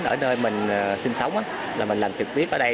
ở nơi mình sinh sống là mình làm trực tiếp ở đây